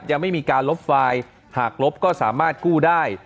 ยังไม่มีการลบไฟล์หากลบก็สามารถกู้ได้